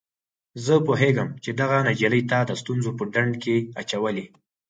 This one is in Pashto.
زه پوهیږم چي دغه نجلۍ تا د ستونزو په ډنډ کي اچولی.